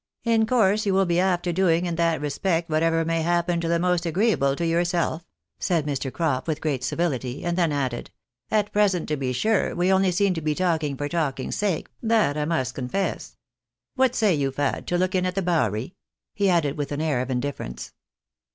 In course you will be after doing in that respect whatever may happen to be most agreeable to your self," said Mr. Crop, with great civility, and then added, "At present, to be sure, we only seem to be talking for talking's sake, that I must confess. What say you. Fad, to look in at the Bowery ?" he added with an air of indifference.